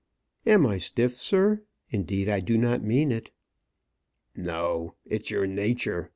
"Am I stiff, sir? Indeed, I do not mean it." "No, it's your nature.